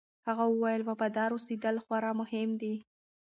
هغه وویل، وفادار اوسېدل خورا مهم دي.